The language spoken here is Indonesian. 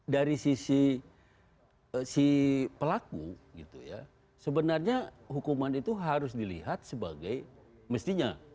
dari sisi si pelaku gitu ya sebenarnya hukuman itu harus dilihat sebagai mestinya